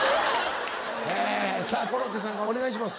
えさぁコロッケさんからお願いします。